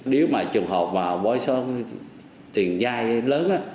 nếu mà trường hợp mà bối xóa tiền dai lớn